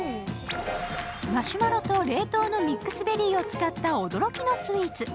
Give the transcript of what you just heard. マシュマロと冷凍のミックスベリーを使った驚きのスイーツ